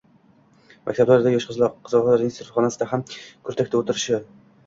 Maktablarda yosh qizaloqlar sinf xonasida ham kurtkada o‘tirishini